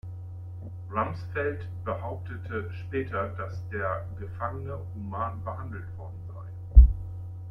Rumsfeld behauptete später, dass der Gefangene human behandelt worden sei.